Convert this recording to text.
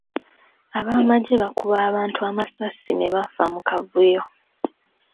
Ab'amagye bakuba abantu amasasi ne bafa mu kavuyo.